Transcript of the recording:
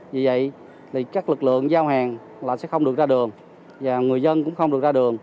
vì vậy các lực lượng giao hàng là sẽ không được ra đường và người dân cũng không được ra đường